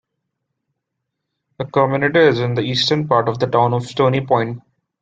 The community is in the eastern part of the town of Stony Point.